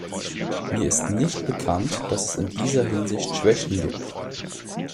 Mir ist nicht bekannt, dass es in dieser Hinsicht Schwächen gibt.